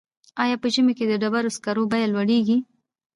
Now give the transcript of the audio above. آیا په ژمي کې د ډبرو سکرو بیه لوړیږي؟